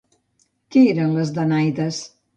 Què eren les danaides?